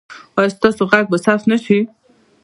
ایا ستاسو غږ به ثبت نه شي؟